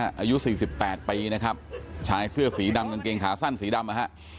อายุสี่สิบแปดปีนะครับชายเสื้อสีดำกางเกงขาสั้นสีดำนะฮะ